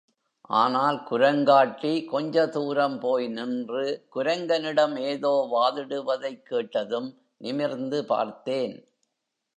ஆனால் குரங்காட்டி கொஞ்ச தூரம் போய் நின்று குரங்கனிடம் ஏதோ வாதமிடுவதைக் கேட்டதும் நிமிர்ந்து பார்த்தேன்.